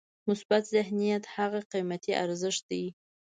مثبت ذهنیت هغه قیمتي ارزښت دی.